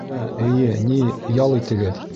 Ә, эйе, ни, ял итегеҙ.